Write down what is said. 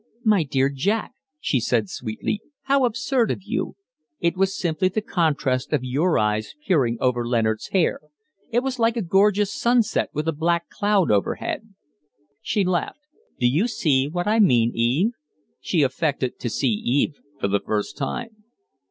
"My dear Jack," she said, sweetly, "how absurd of you! It was simply the contrast of your eyes peering over Leonard's hair It was like a gorgeous sunset with a black cloud overhead." She laughed. "Do you see what I mean, Eve?" She affected to see Eve for the first time.